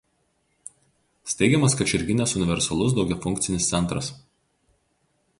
Steigiamas Kačerginės universalus daugiafunkcis centras.